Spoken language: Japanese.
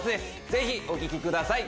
ぜひお聴きください